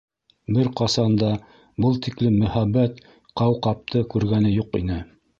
Бер ҡасан да был тиклем мөһабәт ҡауҡабты күргәне юҡ ине!